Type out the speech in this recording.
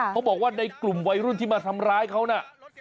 เขาบอกว่าในกลุ่มวัยรุ่นที่มาทำร้ายเขาน่ะ